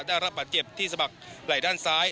ได้รับบาดเจ็บที่สะบักไหล่ด้านซ้าย